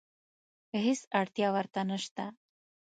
هېڅ اړتیا ورته نشته.